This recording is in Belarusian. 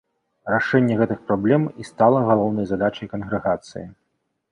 Рашэнне гэтых праблем і стала галоўнай задачай кангрэгацыі.